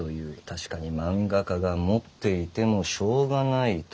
確かに漫画家が持っていてもしょうがない土地だ。